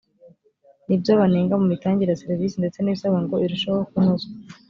n ibyo banenga mu mitangire ya serivisi ndetse n ibisabwa ngo irusheho kunozwa